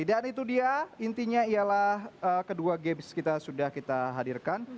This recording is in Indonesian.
dan itu dia intinya ialah kedua games kita sudah kita hadirkan